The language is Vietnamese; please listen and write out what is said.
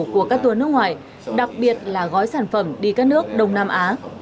của các tour nước ngoài đặc biệt là gói sản phẩm đi các nước đông nam á